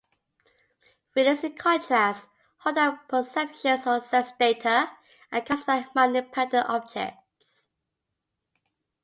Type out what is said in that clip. Realists, in contrast, hold that perceptions or sense data are caused by mind-independent objects.